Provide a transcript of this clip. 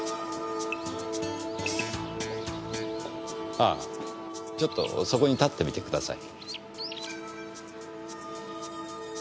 ああちょっとそこに立ってみてください。